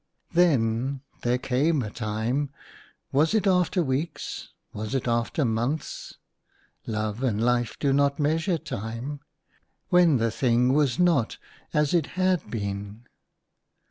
Then there came a time — was it after weeks ? was it after months ? (Love and Life do not measure time) — when the thing was not as it had been.